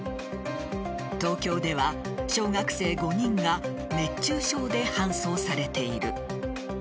東京では小学生５人が熱中症で搬送されている。